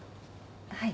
はい。